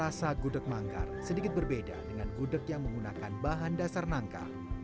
rasa gudeg manggar sedikit berbeda dengan gudeg yang menggunakan bahan dasar nangka